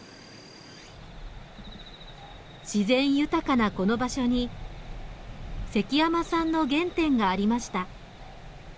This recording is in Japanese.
自然豊かなこの場所に関山さんの原点がありました。